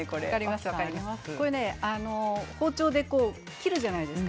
これね包丁で切るじゃないですか。